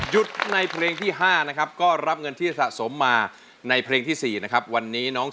ในเพลงที่๕นะครับก็รับเงินที่สะสมมาในเพลงที่๔นะครับวันนี้น้อง